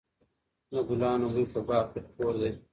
د ګلانو بوی په باغ کې خپور دی.